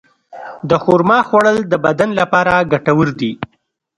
د خرما خوړل د بدن لپاره ګټور دي.